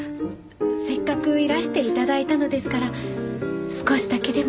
せっかくいらして頂いたのですから少しだけでも。